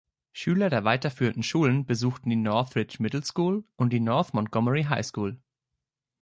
Schüler der weiterführenden Schulen besuchten die Northridge Middle School und die North Montgomery High School.